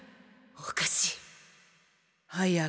おかしい！